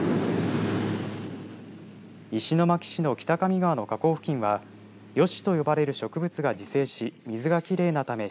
石巻市の北上川の河口付近はヨシと呼ばれる植物が自生し水がきれいなため